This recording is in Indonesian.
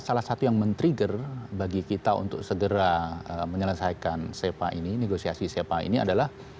salah satu yang men trigger bagi kita untuk segera menyelesaikan sepa ini negosiasi sepa ini adalah